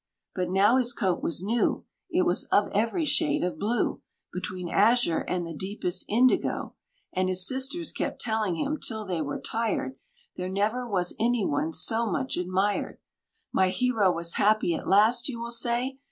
But now his coat was new, It was of every shade of blue Between azure and the deepest indigo; And his sisters kept telling him, till they were tired, There never was any one so much admired. My hero was happy at last, you will say?